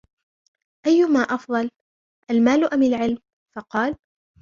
أَيُّمَا أَفْضَلُ الْمَالُ أَمْ الْعِلْمُ ؟ فَقَالَ